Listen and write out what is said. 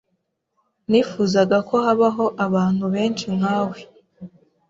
Nifuzaga ko habaho abantu benshi nkawe.